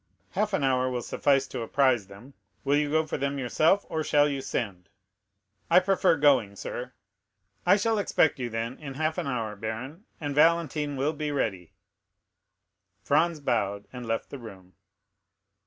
"Half an hour will suffice to apprise them; will you go for them yourself, or shall you send?" "I prefer going, sir." "I shall expect you, then, in half an hour, baron, and Valentine will be ready." Franz bowed and left the room.